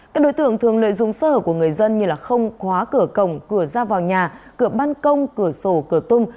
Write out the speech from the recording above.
các đối tượng thường lợi dụng sơ hở của người dân như không khóa cửa cổng cửa ra vào nhà cửa ban công cửa sổ cửa tung